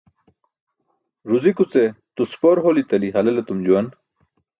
Ruzikuce tuspor holi tali halel etum juwan.